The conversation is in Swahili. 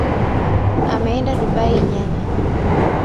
Ameenda dubai jana.